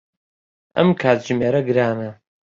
ئەم کاتژمێرە گرانە.